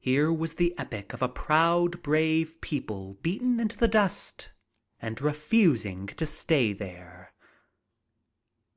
Here was the epic of a proud brave people beaten into the dust and refusing to stay there.